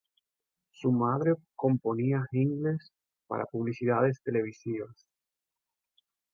Su madre componía jingles para publicidades televisivas.